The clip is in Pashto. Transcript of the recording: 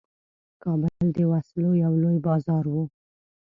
کابل د وسلو یو لوی بازار وو.